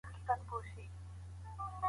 ایا کورني سوداګر وچ توت پروسس کوي؟